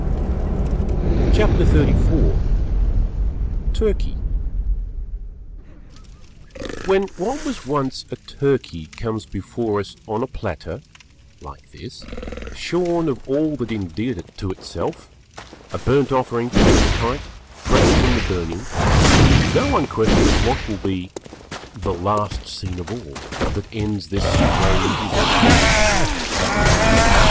CHAPTER XXXIV TURKEY When what was once a Turkey comes before us on a platter (like this) shorn of all that endeared it to itself, a burnt offering to Appetite, fresh from the burning, no one questions what will be the "_... last scene of all. That ends this strange eventful history.